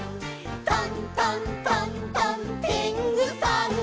「トントントントンてんぐさん」